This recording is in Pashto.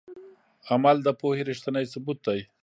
عمل د پوهې ریښتینی ثبوت دی.